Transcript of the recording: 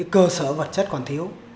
cơ sở vật chất còn thiếu